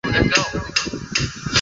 屈埃拉。